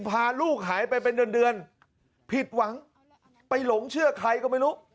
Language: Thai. พาลูกหายไปเป็นเดือนเดือนผิดหวังไปหลงเชื่อใครก็ไม่รู้